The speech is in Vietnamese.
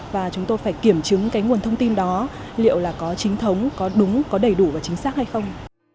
và chúng tôi phải kiểm chứng cái nguồn thông tin đó liệu là có chính thống có đúng có đầy đủ và chính xác hay không